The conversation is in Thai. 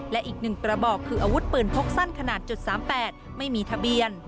และอีก๑กระบอกคืออาวุธปืนพกสั้นขนาด๓๘ไม่มีทะเบียน